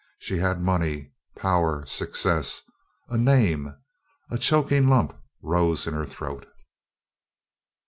She had money, power, success, a name. A choking lump rose in her throat.